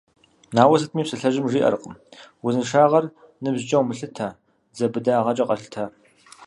Ауэ сытми псалъэжьым жиӀэркъым: «Узыншагъэр ныбжькӀэ умылъытэ, дзэ быдагъэкӀэ къэлъытэ».